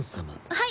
はい？